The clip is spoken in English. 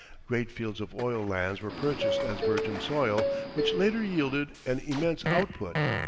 Great fields of oil lands were purchased as virgin soil, which later yielded an immense output.